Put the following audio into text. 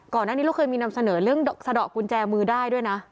ก่อนหน้านี้เราเคยมีนำเสนอเรื่องสะดอกกุญแจมือได้ด้วยนะ